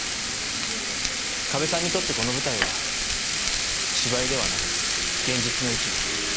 加部さんにとってこの舞台は芝居ではなく現実の一部。